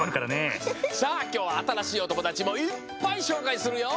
さあきょうはあたらしいおともだちもいっぱいしょうかいするよ！